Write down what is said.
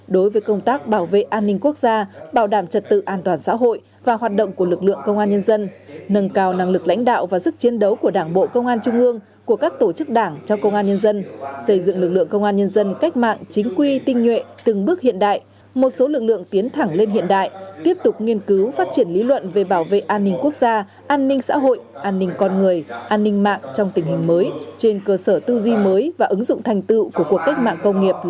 đối với công tác bảo vệ an ninh quốc gia bảo đảm trật tự an toàn xã hội và hoạt động của lực lượng công an nhân dân nâng cao năng lực lãnh đạo và sức chiến đấu của đảng bộ công an trung ương của các tổ chức đảng cho công an nhân dân xây dựng lực lượng công an nhân dân cách mạng chính quy tinh nhuệ từng bước hiện đại một số lực lượng tiến thẳng lên hiện đại tiếp tục nghiên cứu phát triển lý luận về bảo vệ an ninh quốc gia an ninh xã hội an ninh con người an ninh mạng trong tình hình mới trên cơ sở tư duy mới và ứng dụng thành